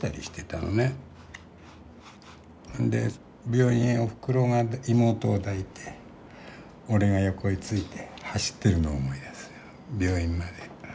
病院へおふくろが妹を抱いて俺が横へ付いて走ってるのを思い出すよ病院まで。